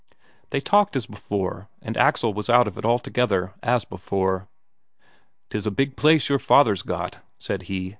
They talked as before, and Axel was out of it altogether, as before. "'Tis a big place your father's got," said he.